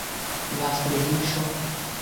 لاس تر زنې شو.